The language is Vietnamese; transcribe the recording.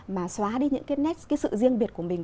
mà xóa đi những cái nét cái sự riêng biệt của mình